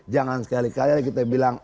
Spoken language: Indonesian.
jangan sekali kali kita bilang